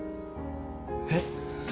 えっ？